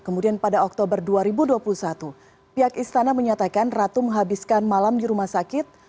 kemudian pada oktober dua ribu dua puluh satu pihak istana menyatakan ratu menghabiskan malam di rumah sakit